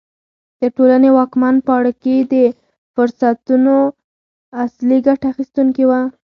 د ټولنې واکمن پاړکي د فرصتونو اصلي ګټه اخیستونکي وو.